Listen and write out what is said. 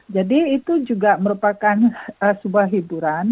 jadi itu juga merupakan sebuah hiburan